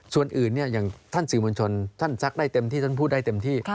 ส่วนอื่นอย่างท่านสื่อมวลชนท่านซักได้เต็มที่ท่านพูดได้เต็มที่